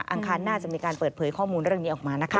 องคารน่าจะมีการเปิดเผยข้อมูลเรื่องนี้ออกมานะคะ